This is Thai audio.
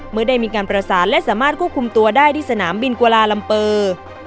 เมื่อได้มีการประสานและสามารถควบคุมตัวได้ที่สนามบินกุลาลัมเปอร์